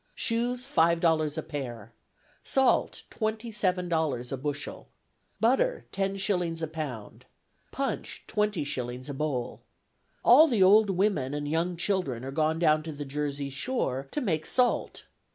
Shoes, five dollars a pair. Salt, twenty seven dollars a bushel. Butter, ten shillings a pound. Punch, twenty shillings a bowl. All the old women and young children are gone down to the Jersey shore to make salt.